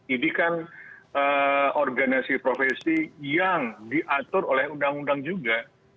ini kan organisasi profesi yang diatur oleh undang undang juga